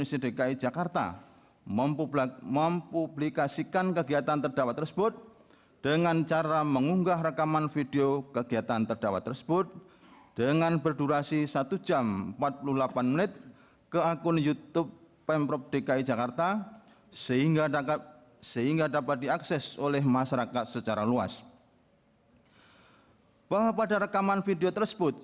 selanjutnya akan dilanjutkan oleh hakim anggota